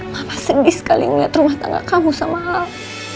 mama sedih sekali melihat rumah tangga kamu sama al